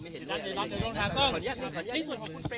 สวัสดีครับ